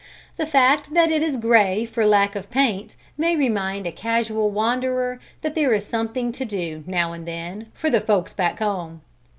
The fact that it is gray for lack of paint may remind a casual wanderer that there is something to do, now and then, for the "folks back home."